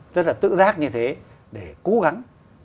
rất là tự rác như thế để cố gắng